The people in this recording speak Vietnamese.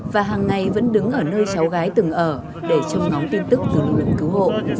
và hàng ngày vẫn đứng ở nơi cháu gái từng ở để trông ngóng tin tức từ lực lượng cứu hộ